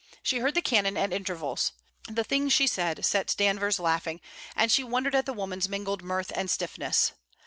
She heard the cannon at intervals. The things she said set Danvers laughing, and she wondered at the woman's mingled mirth and stiffness.